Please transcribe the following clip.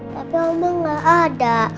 tapi oma gak ada